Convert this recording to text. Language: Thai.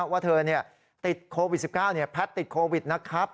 ว่าเธอติดโควิด๑๙แพทย์ติดโควิดนะครับ